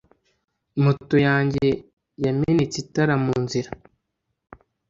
Moto yanjye yamenetse itara munzira.